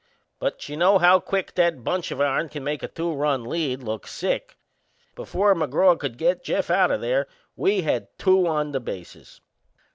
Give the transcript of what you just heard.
But you know how quick that bunch of ourn can make a two run lead look sick. Before McGraw could get Jeff out o' there we had two on the bases.